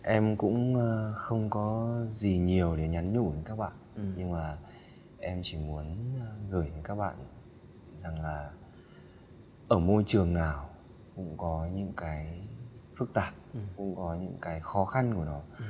em cũng không có gì nhiều để nhắn nhủ đến các bạn nhưng mà em chỉ muốn gửi đến các bạn rằng là ở môi trường nào cũng có những cái phức tạp cũng có những cái khó khăn của nó